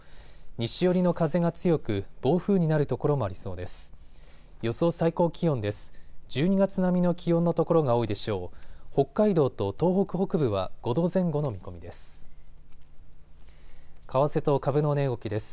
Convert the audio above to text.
西寄りの風が強く暴風になる所もありそうです。